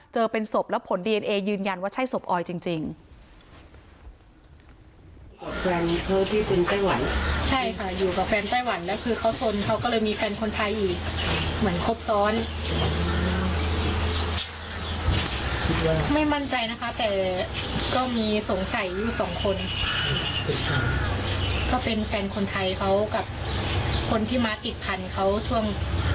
เจอเป็นศพแล้วผลดีเอนเอยืนยันว่าใช่ศพออยจริง